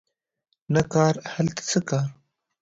نه کار هلته څه کار